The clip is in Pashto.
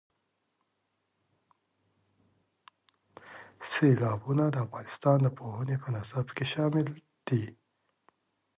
سیلابونه د افغانستان د پوهنې په نصاب کې شامل دي.